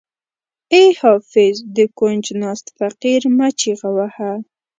ای حافظ د کونج ناست فقیر مه چیغه وهه.